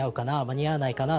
間に合わないかな？